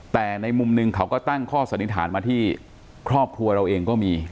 แต่ในมุมหนึ่งเขาก็ตั้งข้อสันนิษฐานมาที่ครอบครัวเราเองก็มี